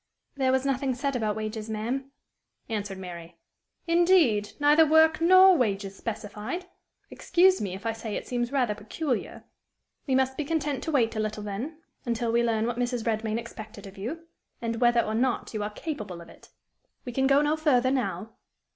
"There was nothing said about wages, ma'am," answered Mary. "Indeed! Neither work nor wages specified? Excuse me if I say it seems rather peculiar. We must be content to wait a little, then until we learn what Mrs. Redmain expected of you, and whether or not you are capable of it. We can go no further now."